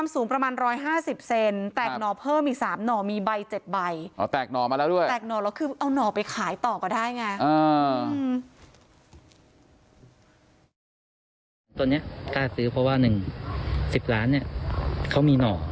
ตอนนี้กล้าซื้อเพราะว่า๑๑๐ล้านเนี่ยเขามีหน่อ